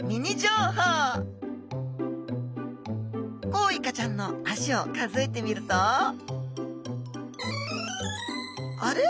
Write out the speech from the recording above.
コウイカちゃんの足を数えてみるとあれ？